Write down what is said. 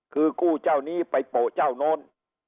คือกู้เจ้านี้ไปโปะเจ้าโน้น